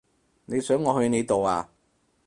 你想我去你度呀？